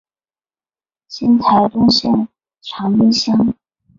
今台东县长滨乡。